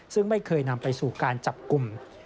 ซึ่งไม่เคยนำไปสู่การจับกลุ่ม